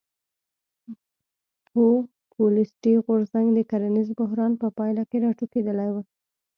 پوپولیستي غورځنګ د کرنیز بحران په پایله کې راټوکېدلی و.